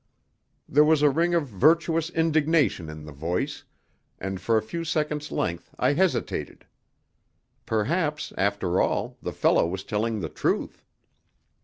There was a ring of virtuous indignation in the voice, and for a few seconds' length I hesitated. Perhaps, after all, the fellow was telling the truth.